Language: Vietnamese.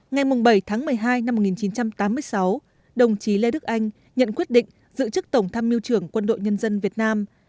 ngày bảy tháng một mươi hai năm một nghìn chín trăm tám mươi sáu đồng chí lê đức anh nhận quyết định giữ chức tổng tham mưu trưởng quân đội nhân dân việt nam